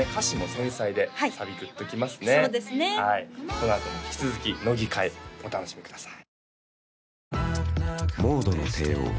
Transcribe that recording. このあとも引き続き乃木回お楽しみください